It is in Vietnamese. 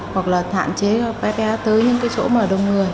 hoặc là hạn chế các bé tới những chỗ đông người